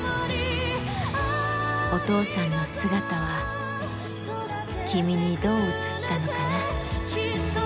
お父さんの姿は、君にどう映ったのかな。